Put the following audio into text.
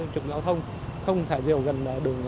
trực giao thông không thả diều gần đường